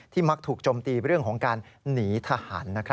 ที่มักถูกโจมตีด้วยเรื่องของการหนีทหาร